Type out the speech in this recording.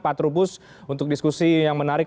pak trubus untuk diskusi yang menarik